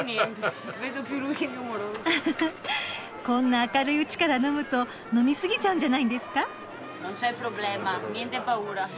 こんな明るいうちから飲むと飲みすぎちゃうんじゃないんですか？